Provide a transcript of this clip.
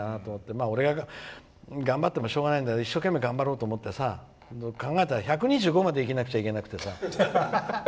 まあ、俺が頑張ってもしょうがないんだけど一生懸命頑張ろうと思って考えたら１２５まで生きなきゃいけなくてさ。